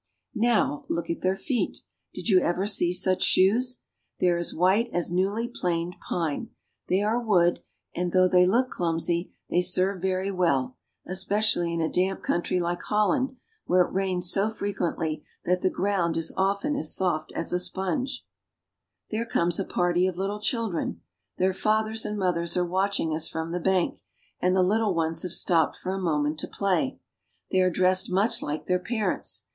Now look at their feet. Did you ever see such shoes ? They are as white as newly planed pine. They are wood, and though they look clumsy, they serve very well, espe cially in a damp country like Holland, where it rains so frequently that the ground is often as soft as a sponge. A COUNTRY BELOW THE SEA. 143 "The women wear short skirts." There comes a party of little children ! Their fathers and mothers are watching us from the bank, and the little ones have stopped for a moment to play. They are dressed much like their parents.